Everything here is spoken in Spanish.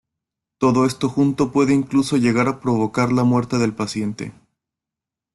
Todo esto junto puede incluso llegar a provocar la muerte del paciente.